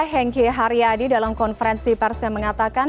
hengkih haryadi dalam konferensi persen mengatakan